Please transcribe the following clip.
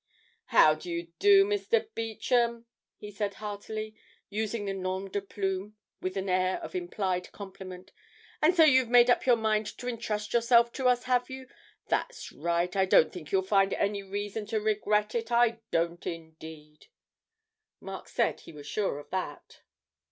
'How do you do, Mr. Beauchamp?' he said heartily, using the nom de plume with an air of implied compliment; 'and so you've made up your mind to entrust yourself to us, have you? That's right. I don't think you'll find any reason to regret it, I don't indeed.' Mark said he was sure of that.